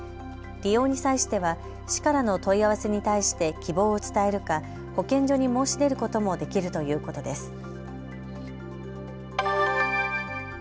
利用に際しては市からの問い合わせに対して希望を伝えるか保健所に申し出ることもできるということです。